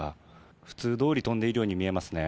普通どおり飛んでいるように見えますね。